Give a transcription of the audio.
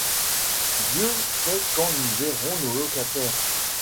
Dieu sait quand nous verrons nos locataires !